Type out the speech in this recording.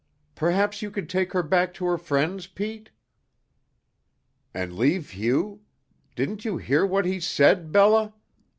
"Perhaps you could take her back to her friends, Pete?" "And leave Hugh? Didn't you hear what he said, Bella?